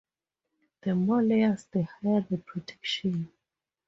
The more layers the higher the protection.